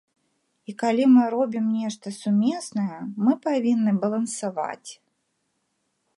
І калі мы робім нешта сумеснае, мы павінны балансаваць.